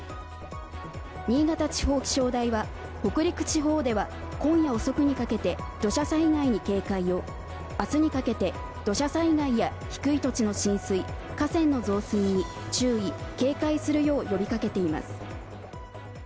新潟地方気象台は、北陸地方では今夜遅くにかけて土砂災害に警戒を、明日にかけて土砂災害や低い土地の浸水、河川の増水に注意・警戒するよう呼びかけています。